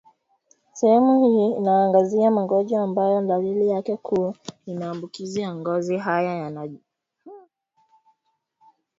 Sehemu hii inaangazia magonjwa ambayo dalili yake kuu ni maambukizi ya ngozi Haya yanajumuisha